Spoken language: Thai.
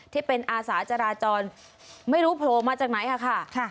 ที่เป็นอาสาจราจรไม่รู้โผล่มาจากไหนค่ะ